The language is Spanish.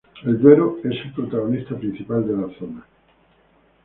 El Duero es el protagonista principal de la zona.